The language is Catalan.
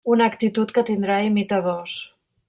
Una actitud que tindrà imitadors.